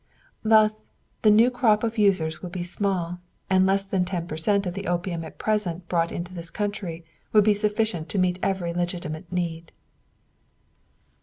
Thus the new crop of users would be small, and less than ten per cent. of the opium at present brought into this country would be sufficient to meet every legitimate need.